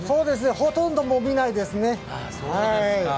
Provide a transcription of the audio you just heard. ほとんどもう見ないですね。